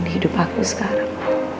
di hidup aku sekarang